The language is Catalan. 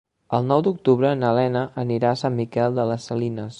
El nou d'octubre na Lena anirà a Sant Miquel de les Salines.